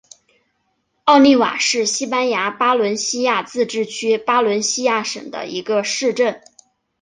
奥利瓦是西班牙巴伦西亚自治区巴伦西亚省的一个市镇。